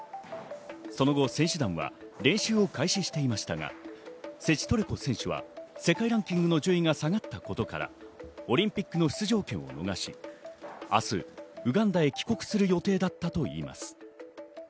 その後、選手団は練習を開始していましたが、セチトレコ選手は世界ランキングの順位が下がったことから、オリンピックの出場権を逃し、明日ウガンダへ帰国する予定だったといいます。